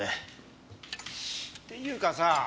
っていうかさ